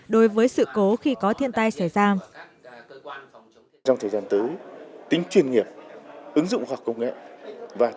đối với sự cố khi có thiên tai xảy ra